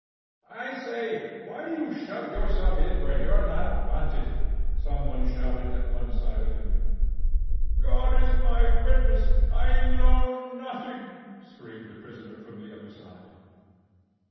"I say, why do you shove yourself in where you're not wanted?" some one shouted at one side of him. "God is my witness; I know nothing," screamed a prisoner from the other side.